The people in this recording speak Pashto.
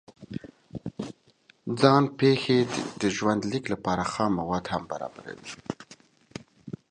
ځان پېښې د ژوند لیک لپاره خام مواد هم برابروي.